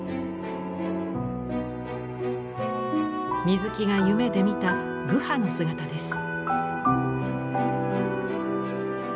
水木が夢で見たグハの姿です。